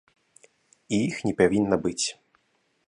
І іх не павінна быць.